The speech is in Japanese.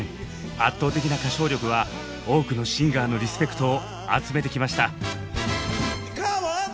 圧倒的な歌唱力は多くのシンガーのリスペクトを集めてきました。